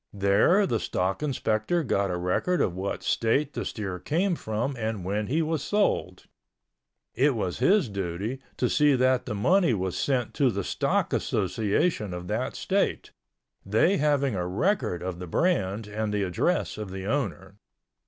There the stock inspector got a record of what state the steer came from and when he was sold. It was his duty to see that the money was sent to the stock association of that state, they having a record of the brand and the address of the owner.